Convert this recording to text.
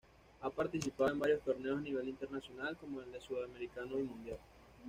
Ha participado en varios torneos a nivel internacional como en el sudamericano y mundial.